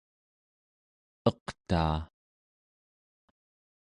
eqtaa